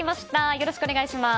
よろしくお願いします！